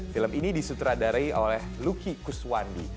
film ini disutradarai oleh luki kuswandi